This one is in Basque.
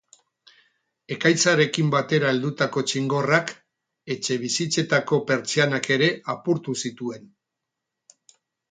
Ekaitzarekin batera heldutako txingorrak etxebizitzetako pertsianak ere apurtu zituen.